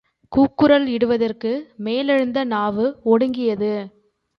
கூக்குரல் இடுவதற்கு மேலெழுந்த நாவு ஒடுங்கியது.